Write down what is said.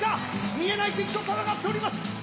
見えない敵と戦っております！